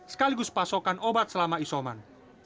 sekaligus pasokan obat selama isoman